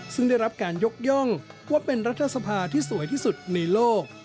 ซึ่งได้รับการยกย่องว่าเป็นรัฐสภาที่สวยที่สุดในโลก